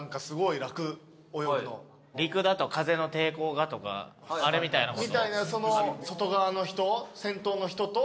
陸だと風の抵抗がとかあれみたいなこと？